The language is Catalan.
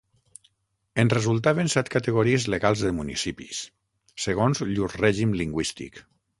En resultaven set categories legals de municipis, segons llur règim lingüístic.